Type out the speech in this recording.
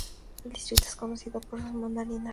El distrito es conocido por sus mandarinas.